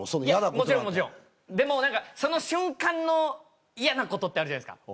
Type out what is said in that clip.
もちろんもちろんでも何かその瞬間の嫌なことってあるじゃないですか